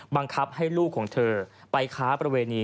บังคับให้ลูกของเธอไปค้าประเวณี